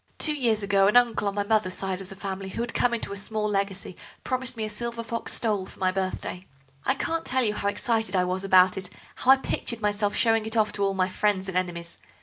Two years ago an uncle on my mother's side of the family, who had come into a small legacy, promised me a silver fox stole for my birthday. I can't tell you how excited I was about it, how I pictured myself showing it off to all my friends and enemies.